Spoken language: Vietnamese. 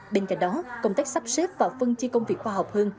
bên cạnh đó công tác sắp xếp và phân tri công việc khoa học hơn